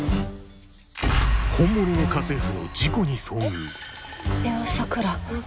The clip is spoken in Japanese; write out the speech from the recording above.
ホンモノの家政婦の事故に遭遇美羽さくら。